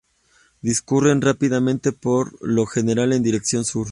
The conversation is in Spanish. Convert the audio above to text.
Discurren rápidamente por lo general en dirección sur.